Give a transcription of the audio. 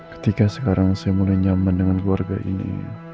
ketika sekarang saya mulai nyaman dengan keluarga ini